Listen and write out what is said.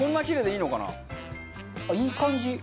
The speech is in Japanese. いい感じ。